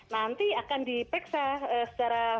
nanti akan dipeksa secara hukum